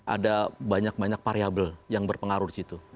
ada banyak banyak variable yang berpengaruh di situ